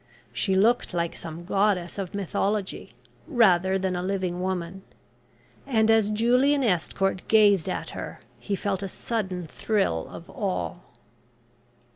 She looked like some goddess of mythology, rather than a living woman, and as Julian Estcourt gazed at her he felt a sudden thrill of awe.